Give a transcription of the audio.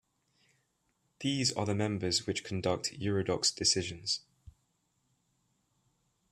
These are the members which conduct Eurodoc's decisions.